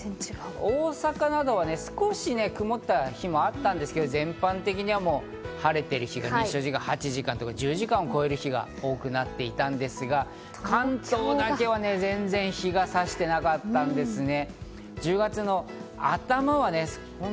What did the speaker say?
大阪などは少し曇った日もあったんですけど、全般的には晴れてる日が多く、日照時間は８時間から１０時間を超える日が多くなっていたんですが、関東だけは全然、日が差してなかったんですね。